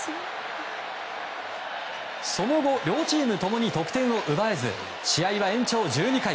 その後、両チーム共に得点を奪えず試合は延長１２回。